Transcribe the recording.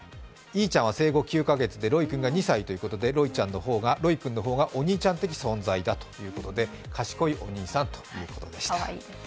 いーちゃんは生後９か月ロイ君が２歳ということで、ロイ君の方がお兄ちゃん的存在ということで賢いお兄さんということでした。